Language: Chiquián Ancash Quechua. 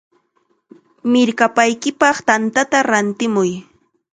¡Mirkapaykipaq tantata rantiramuy!